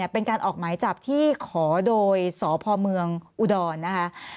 เป็นการออกหมายจับที่ขอโดยสพเมืองอุดรนะคะ